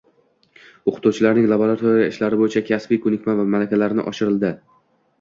O‘qituvchilarning laboratoriya ishlari bo‘yicha kasbiy ko‘nikma va malakalari oshirilding